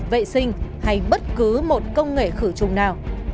vệ sinh hay bất cứ một công nghệ khử trùng nào